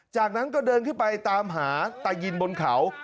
จากนั้นก็เดินขึ้นไปตามหาตายินบนเขา